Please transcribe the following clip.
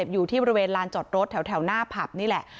อยู่ที่บริเวณลานจอดรถแถวหน้าผับนี่แหละ